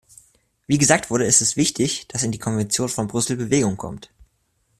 Wie gesagt wurde, ist es wichtig, dass in die Konvention von Brüssel Bewegung kommt.